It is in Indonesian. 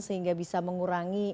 sehingga bisa mengurangi